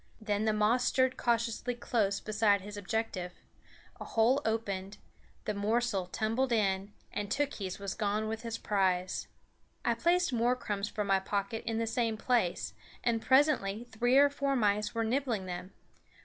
Then the moss stirred cautiously close beside his objective; a hole opened; the morsel tumbled in, and Tookhees was gone with his prize. I placed more crumbs from my pocket in the same place, and presently three or four mice were nibbling them.